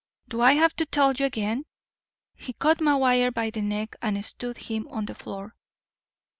Do I have to tell you again?" He caught McGuire by the neck and stood him on the floor.